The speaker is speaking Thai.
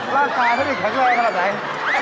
ร่างกายเขาอีกครั้งเลยขนาดไหน